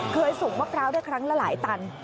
เคยส่งมาเปล่าได้ครั้งละหลายตัน